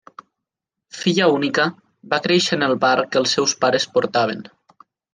Filla única, va créixer en el bar que els seus pares portaven.